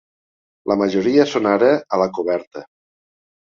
La majoria són ara a la coberta.